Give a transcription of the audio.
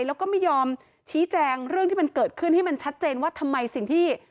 แล้วก็ไม่ยอมชี้แจงเรื่องที่มันเกิดขึ้นให้มันชัดเจนว่าทำไมสิ่งที่